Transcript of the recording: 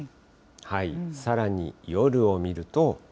さらに夜を見ると。